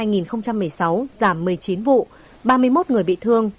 giảm một mươi chín vụ ba mươi một người bị thương